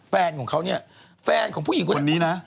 แฟนของเขาเนี่ยแฟนของผู้หญิงคนนี้นะ